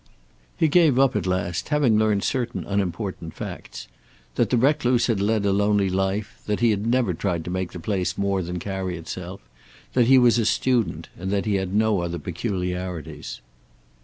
He gave up at last, having learned certain unimportant facts: that the recluse had led a lonely life; that he had never tried to make the place more than carry itself; that he was a student, and that he had no other peculiarities.